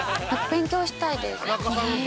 勉強したいです。